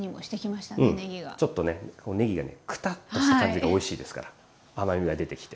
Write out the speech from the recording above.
ちょっとねねぎがくたっとした感じがおいしいですから甘みが出てきて。